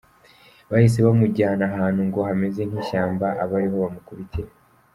Bahise bamujyana ahantu ngo hameze nk’ishyamba aba ariho bamukubitira.